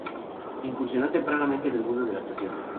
Incursionó tempranamente en el mundo de la actuación.